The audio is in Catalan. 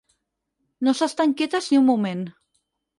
No s'estan quietes ni un moment.